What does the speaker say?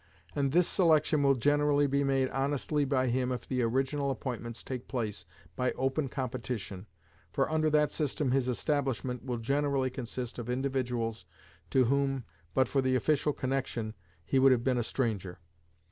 And this selection will generally be made honestly by him if the original appointments take place by open competition, for under that system his establishment will generally consist of individuals to whom, but for the official connection, he would have been a stranger.